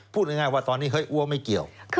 พูดง่ายว่าเพราะตอนนี้เอาะไม่เกี่ยว